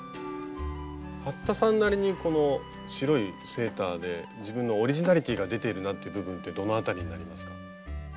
服田さんなりにこの白いセーターで自分のオリジナリティーが出ているなって部分ってどの辺りになりますか？